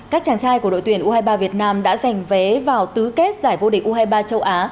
các chàng trai của đội tuyển u hai mươi ba việt nam đã giành vé vào tứ kết giải vô địch u hai mươi ba châu á